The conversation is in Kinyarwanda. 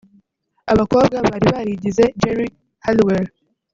Abakobwa bari barigize Geri Halliwell